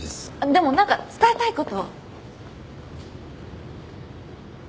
でも何か伝えたいこと。